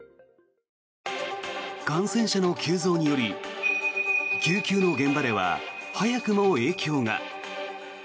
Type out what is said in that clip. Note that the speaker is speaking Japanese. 感染者の急増により救急の現場では早くも影響が。